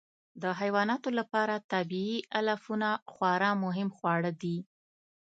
د حیواناتو لپاره طبیعي علفونه خورا مهم خواړه دي.